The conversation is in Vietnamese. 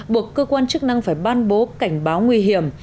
buộc cơ quan chức năng phải ban bố cảnh báo nguy hiểm